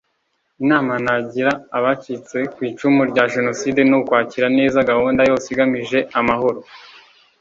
Inama nagira abacitse ku icumu rya Jenoside ni ukwakira neza gahunda yose igamije amahoro